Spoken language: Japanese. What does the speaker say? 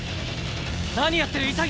何やってる潔！